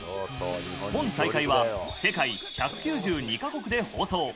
本大会は世界１９２か国で放送。